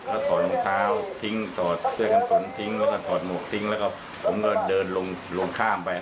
แล้วถอดมูกเท้าถอดเสื้อกันฝนถอดหมวกแล้วก็เดินลงข้ามไป